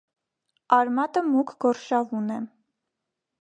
Արմատը մուգ գորշավուն է։